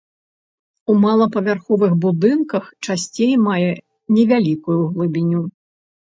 У малапавярховых будынках часцей мае невялікую глыбіню.